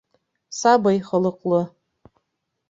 Сабый холоҡло.